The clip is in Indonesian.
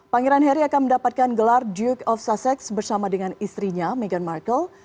pangeran harry akan mendapatkan gelar duke of sussex bersama dengan istrinya meghan markle